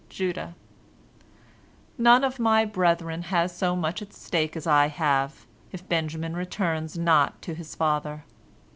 Judah: "None of my brethren has so much at stake as I have, if Benjamin returns not to his father.